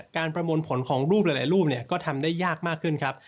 ประมวลผลของรูปหลายรูปก็ทำได้ยากมากขึ้นครับ